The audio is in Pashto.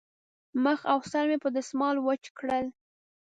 مخ او سر مې په دستمال وچ کړل.